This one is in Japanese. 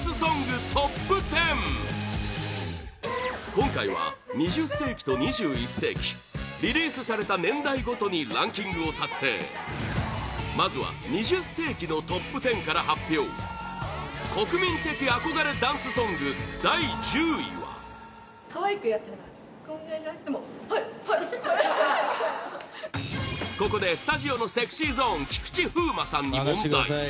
今回は２０世紀と２１世紀リリースされた年代ごとにランキングを作成まずは２０世紀のトップ１０から発表国民的憧れダンスソング第１０位はここでスタジオのＳｅｘｙＺｏｎｅ菊池風磨さんに問題